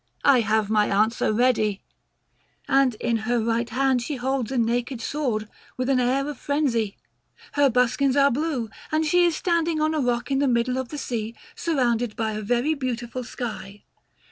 I have my answer ready;" and in her right hand she holds a naked sword, with an air of frenzy. Her buskins are blue, and she is standing on a rock in the middle of the sea, surrounded by a very beautiful sky.